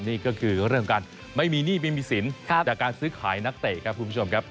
นี่ก็คือเรื่องการไม่มีหนี้ไม่มีสินจากการซื้อขายนักเตะครับคุณผู้ชมครับ